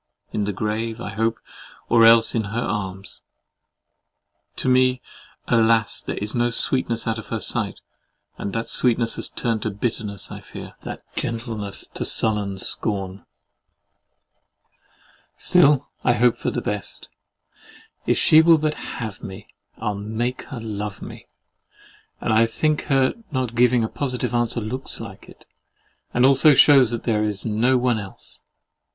In the grave, I hope, or else in her arms. To me, alas! there is no sweetness out of her sight, and that sweetness has turned to bitterness, I fear; that gentleness to sullen scorn! Still I hope for the best. If she will but HAVE me, I'll make her LOVE me: and I think her not giving a positive answer looks like it, and also shews that there is no one else.